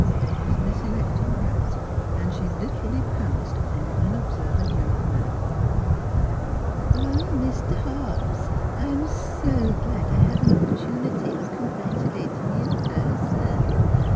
It was Miss Electa Pratt, and she literally pounced upon the unobservant young man. " Oh, M /j ter Hobbs, I'm so glad I have an opportunity of congratulating you in person!"